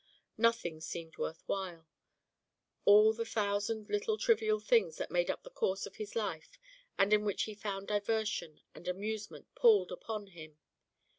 Nothing seemed worth while; all the thousand little trivial things that made up the course of his life and in which he found diversion and amusement palled upon him.